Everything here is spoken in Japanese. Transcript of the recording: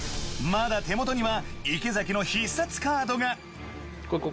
まだ手元には池崎の必殺カードが。